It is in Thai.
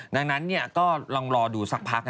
ดังนั้นก็ลองรอดูสักพัก